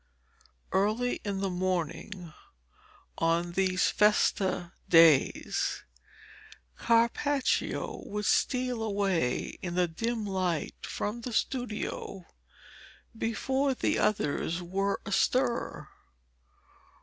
Early in the morning of these festa days, Carpaccio would steal away in the dim light from the studio, before the others were astir.